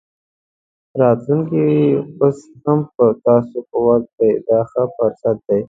راتلونکی اوس هم ستاسو په واک دی دا ښه فرصت دی.